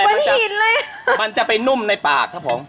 มันขีดเลยมันจะไปนุ่มในปากครับผม